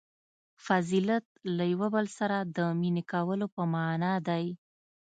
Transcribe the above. • فضیلت له یوه بل سره د مینې کولو په معنیٰ دی.